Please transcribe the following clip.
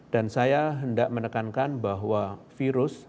dan saya hendak menekankan bahwa virus